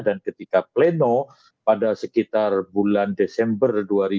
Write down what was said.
dan ketika pleno pada sekitar bulan desember dua ribu dua puluh tiga